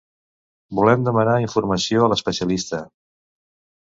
Volem demanar informació a l'especialista.